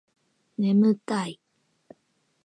眠たい